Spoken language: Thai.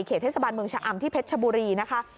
เทศบาลเมืองชะอำที่เพชรชบุรีนะคะ